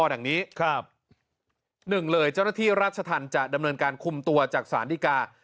อย่างนี้ครับหนึ่งเลยเจ้าหน้าที่ราชธรรมจะดำเนินการคุมตัวจากศาลดีกา